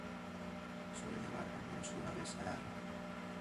Suele nevar al menos una vez al año.